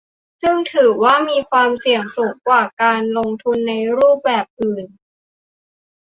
ซึ่งถือว่ามีความเสี่ยงสูงกว่าการลงทุนในรูปแบบอื่น